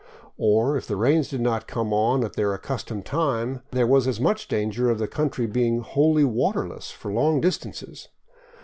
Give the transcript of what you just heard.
Or, if the rains did not come on at their accustomed time, there was as much danger of the country being wholly waterless for long distances.